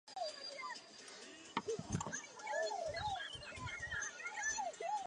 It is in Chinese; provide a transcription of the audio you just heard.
哥路拿是一位西班牙足球运动员。